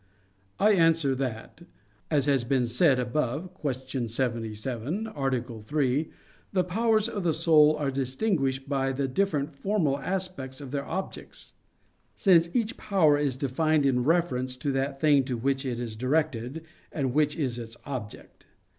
I answer that, As has been said above (Q. 77, A. 3), the powers of the soul are distinguished by the different formal aspects of their objects: since each power is defined in reference to that thing to which it is directed and which is its object.